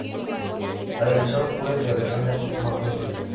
La dirección fue de Alexander McQueen.